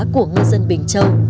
của ngư dân bình châu